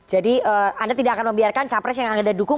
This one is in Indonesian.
jadi anda tidak akan membiarkan capres yang anda dukung